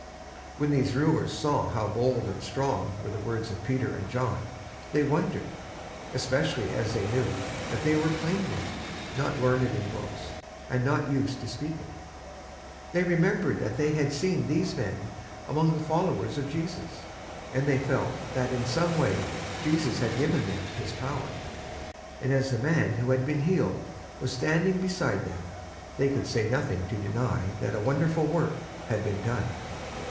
When these rulers saw how bold and strong were the words of Peter and John, they wondered, especially as they knew that they were plain men, not learned in books, and not used to speaking. They remembered that they had seen these men among the followers of Jesus, and they felt that in some way Jesus had given them his power. And as the man who had been healed was standing beside them, they could say nothing to deny that a wonderful work had been done.